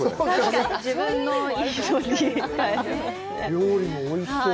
料理もおいしそう。